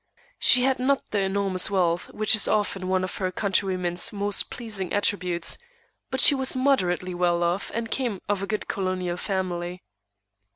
She had not the enormous wealth which is often one of her countrywomen's most pleasing attributes, but she was moderately well off and came of a good Colonial family.